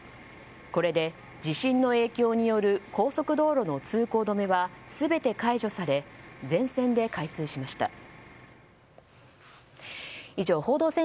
これで地震の影響による高速道路の通行止めは全て解除され全線で開通しました。